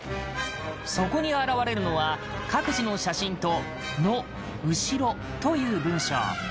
そこに現れるのは各自の写真と「の」「ウしろ」という文章。